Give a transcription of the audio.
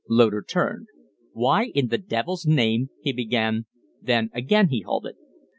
Loder turned. "Why in the devil's name " he began; then again he halted.